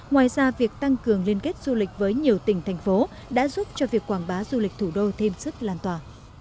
ngoài ra việc tăng cường liên kết du lịch với nhiều tỉnh thành phố đã giúp cho việc quảng bá du lịch thủ đô thêm sức lan tỏa